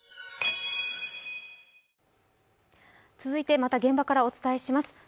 続いてまた現場からお伝えします。